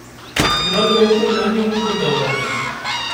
You're going to run into the Governor.